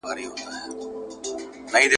زموږ دي ژوندون وي د مرګ په خوله کي ..